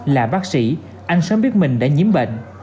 là bác sĩ anh sớm biết mình đã nhiễm bệnh